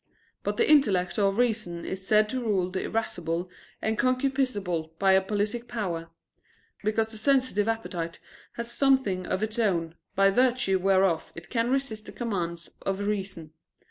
But the intellect or reason is said to rule the irascible and concupiscible by a politic power: because the sensitive appetite has something of its own, by virtue whereof it can resist the commands of reason.